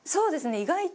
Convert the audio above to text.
意外と。